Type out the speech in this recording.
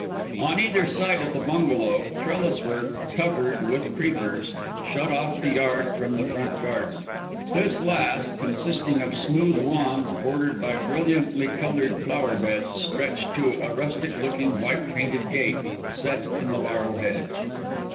On either side of the bungalow, trellis work covered with creepers shut off the yard from the front garden. This last, consisting of smooth lawns bordered by brilliantly coloured flowerbeds, stretched to a rustic looking, white painted gate set in the laurel hedge.